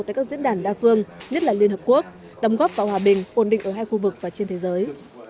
tại các diễn đàn đa phương nhất là liên hợp quốc đóng góp vào hòa bình ổn định ở hai khu vực và trên thế giới